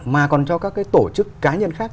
mà còn cho các cái tổ chức cá nhân khác